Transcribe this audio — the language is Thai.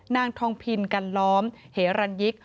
นางทองพินกันล้อมเหรันยิกษ